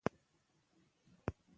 او کاميابي تر لاسه کړې ده.